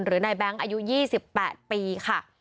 หรือนายแบงค์อายุ๒๘ปีค่ะ